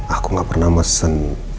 aku gak pernah mesen